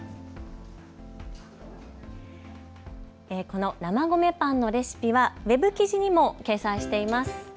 この生米パンのレシピはＷＥＢ記事にも掲載しています。